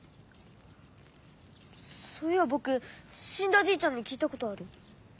そういやぼくしんだじいちゃんに聞いたことある。